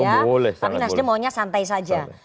tapi nasdem maunya santai saja